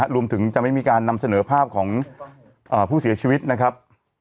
รวมถึงจะไม่มีการนำเสนอภาพของผู้เสียชีวิตนะครับ